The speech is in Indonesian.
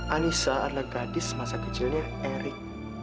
anissa adalah gadis masa kecilnya erik